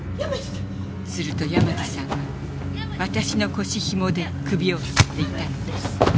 すると山路さんが私の腰ひもで首を吊っていたのです。